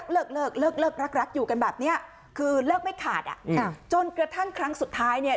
เลิกอยู่กันแบบนี้คือเลิกไม่ขาดจนกระทั่งครั้งสุดท้ายเนี่ย